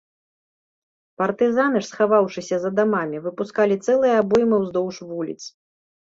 Партызаны ж, схаваўшыся за дамамі, выпускалі цэлыя абоймы ўздоўж вуліц.